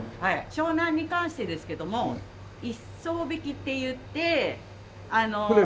湘南に関してですけども一艘引きっていって網を。